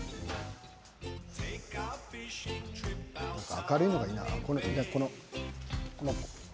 明るいのがいいな。